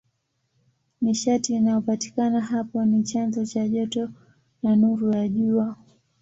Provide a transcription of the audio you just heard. Nishati inayopatikana hapo ni chanzo cha joto na nuru ya Jua.